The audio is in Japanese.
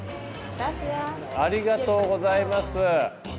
ありがとうございます！